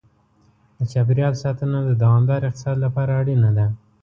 د چاپېریال ساتنه د دوامدار اقتصاد لپاره اړینه ده.